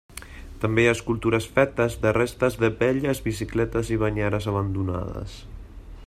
També hi ha escultures fetes de restes de velles bicicletes i banyeres abandonades.